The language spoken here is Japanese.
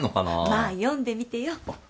まあ読んでみてよあっ